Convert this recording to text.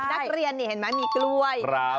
นักเรียนนี่เห็นไหมมีกล้วย